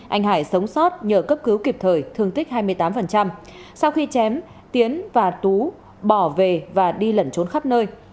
anh hải sống sót nhờ cấp cứu kịp thời thương tích hai mươi tám sau khi chém tiến và tú bỏ về và đi lẩn trốn khắp nơi